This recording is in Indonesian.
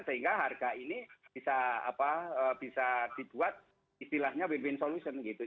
sehingga harga ini bisa dibuat istilahnya win win solution gitu